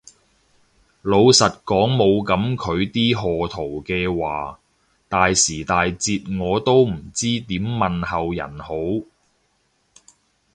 老實講冇噉佢啲賀圖嘅話，大時大節我都唔知點問候人好